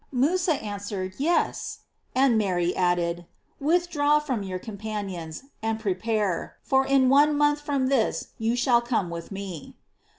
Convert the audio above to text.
" Musa an« swered, "Yes;" and Mary added: "Withdraw from your companions, and prepare, for in one month from this you shall come with me."